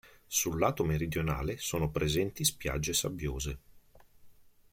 Sul lato meridionale sono presenti spiagge sabbiose.